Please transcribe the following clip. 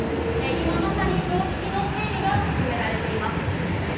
今まさに標識の整備が進んでいます」